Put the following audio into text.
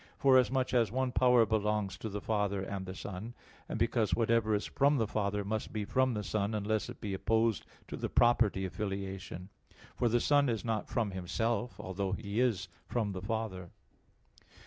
Forasmuch as one power belongs to the Father and the Son; and because whatever is from the Father, must be from the Son unless it be opposed to the property of filiation; for the Son is not from Himself, although He is from the Father.